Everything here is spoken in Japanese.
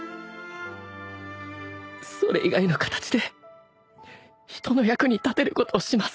それ以外の形で人の役に立てることをします。